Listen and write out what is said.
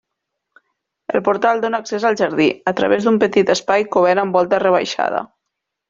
El portal dóna accés al jardí, a través d'un petit espai cobert amb volta rebaixada.